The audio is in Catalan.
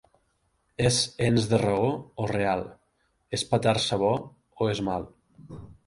És ens de raó, o real? És petar-se bo, o és mal?